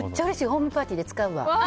ホームパーティーで使うわ。